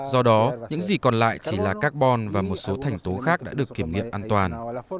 do đó những gì còn lại chỉ là carbon và một số thành tố khác đã được kiểm nghiệm an toàn